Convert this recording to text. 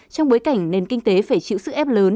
trong bối cảnh nền kinh tế phải chịu sức ép lớn